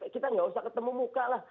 kita nggak usah ketemu muka lah